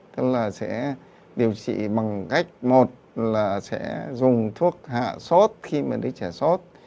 tức là sẽ điều trị bằng cách một là sẽ dùng thuốc hạ xót khi mà đứa trẻ xót